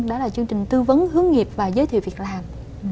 đó là chương trình tư vấn hướng nghiệp và giới thiệu việc làm